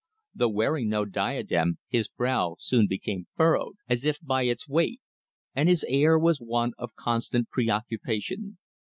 Though wearing no diadem, his brow soon became furrowed, as if by its weight, and his air was one of constant preoccupation.